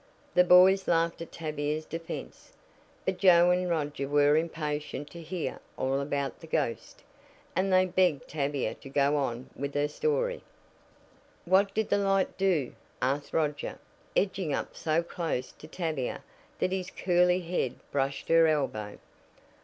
The boys laughed at Tavia's defense, but Joe and Roger were impatient to hear all about the ghost, and they begged Tavia to go on with her story. "What did the light do?" asked Roger, edging up so close to Tavia that his curly head brushed her elbow.